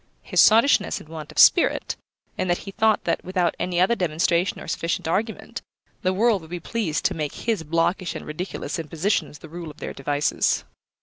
His sottishness and want of spirit, in that he thought that, without any other demonstration or sufficient argument, the world would be pleased to make his blockish and ridiculous impositions the rule of their devices.